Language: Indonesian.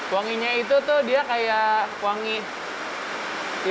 wanginya itu tuh dia kayak wangi